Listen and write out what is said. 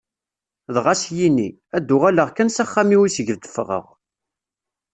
Dɣa ad s-yini: ad uɣaleɣ kan s axxam-iw iseg d-ffɣeɣ.